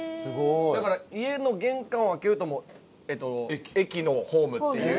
だから家の玄関を開けるともう駅のホームっていう。